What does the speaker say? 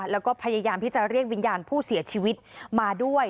แล้วก็พยายามที่จะเรียกวิญญาณผู้เสียชีวิตมาด้วย